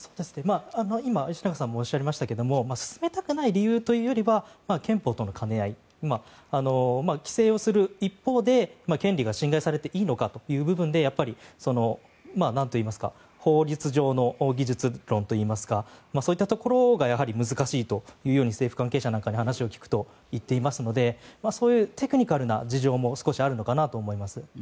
今、吉永さんもおっしゃりましたが進めたくない理由というよりは憲法との兼ね合い規制をする一方で権利が侵害されていいのかという部分でやっぱり法律上の技術論といいますかそういったところが難しいと政府関係者に話を聞くと言っていますのでそういうテクニカルな事情も少しあるのかなと思います。